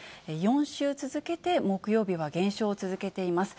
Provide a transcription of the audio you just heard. ４週続けて木曜日は減少を続けています。